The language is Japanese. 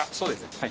はい。